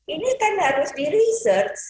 ini kan harus di research